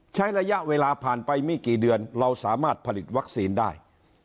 ใช้ระยะเวลาผ่านไปไม่กี่เดือนเราสามารถผลิตวัคซีนได้